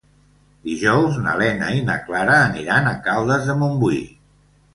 Dijous na Lena i na Clara aniran a Caldes de Montbui.